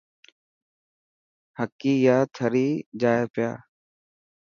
حڪي يا ٿري جائي پيا.